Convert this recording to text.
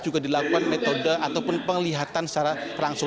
juga dilakukan metode ataupun penglihatan secara langsung